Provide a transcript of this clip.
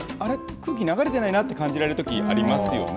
空気流れてないなって感じられるときありますよね。